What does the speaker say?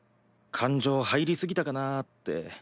感情入り過ぎたかなぁって。